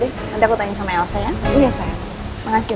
mereka tanya tanya soal lipstick